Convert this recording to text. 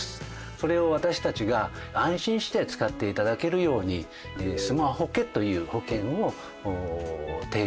それを私たちが安心して使って頂けるようにスマホケという保険を提供しています。